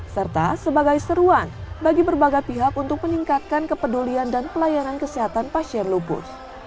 serta sebagai seruan bagi berbagai pihak untuk meningkatkan kepedulian dan pelayanan kesehatan pasien lupus